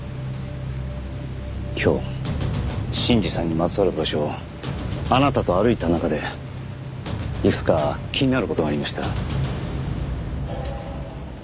今日信二さんにまつわる場所をあなたと歩いた中でいくつか気になる事がありました。